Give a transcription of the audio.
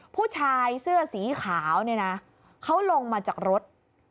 ผู้ชายเสื้อสีขาวเนี่ยนะเขาลงมาจากรถ